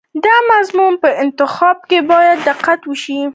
د موضوع په انتخاب کې باید دقت وشي.